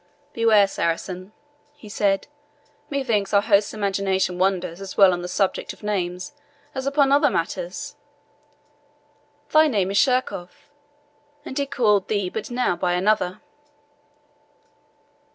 "Beware, Saracen," he said; "methinks our host's imagination wanders as well on the subject of names as upon other matters. Thy name is Sheerkohf, and he called thee but now by another."